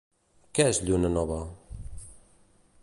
Què és Lluna nova?